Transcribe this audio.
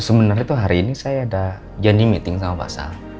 sebenarnya tuh hari ini saya ada janji meeting sama pasal